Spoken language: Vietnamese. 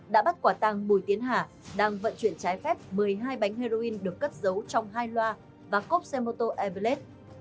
đã bắt quả tàng bùi tiến hà đang vận chuyển trái phép một mươi hai bánh heroin được cất giấu trong hai loa và cốc semoto evelet